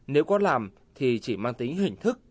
nếu có làm thì chỉ mang tính hình thức